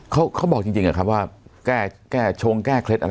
เขาเขาบอกจริงจริงอะครับว่าแก้แก้ชงแก้เคล็ดอะไร